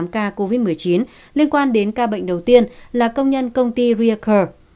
ba mươi tám ca covid một mươi chín liên quan đến ca bệnh đầu tiên là công nhân công ty reacur